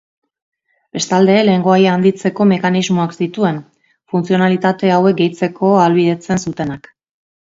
Bestalde, lengoaia handitzeko mekanismoak zituen, funtzionalitate hauek gehitzeko ahalbidetzen zutenak.